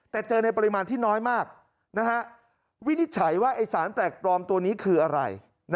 แต่เจอในปริมาณที่น้อยมากวินิจฉัยว่าไอ้สารแปลกปลอมตัวนี้คืออะไร